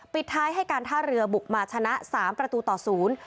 ปิดท้ายให้การท่าเรือบุกมาชนะสามประตูต่อศูนย์